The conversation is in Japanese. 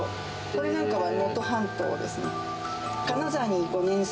これなんかは能登半島ですね。